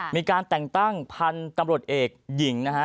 มีการแต่งตั้งพันธุ์ตำรวจเอกหญิงนะฮะ